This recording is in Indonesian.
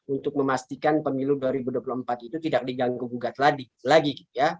untuk memastikan pemilu dua ribu dua puluh empat itu tidak diganggu gugat lagi